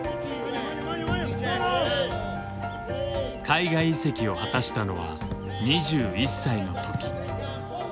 海外移籍を果たしたのは２１歳の時。